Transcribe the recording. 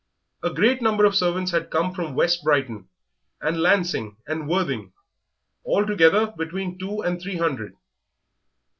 A great number of servants had come from West Brighton, and Lancing, and Worthing altogether between two and three hundred.